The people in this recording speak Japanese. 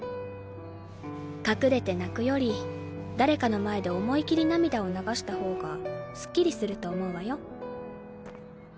隠れて泣くより誰かの前で思い切り涙を流したほうがすっきりすると思うわよ。